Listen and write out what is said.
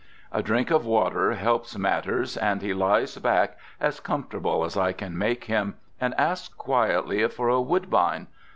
A drink of water helps matters and he lies back, as comfortable as I can make him, and asks quietly for a "woodbine!"